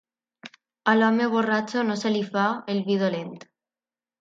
A l'home borratxo no se li fa el vi dolent.